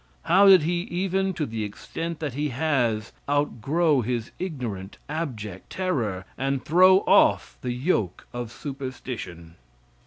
How did he, even to the extent that he has, outgrow his ignorant, abject terror, and throw off, the yoke of superstition?